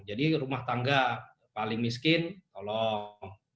jadi rumah tangga paling miskin tolong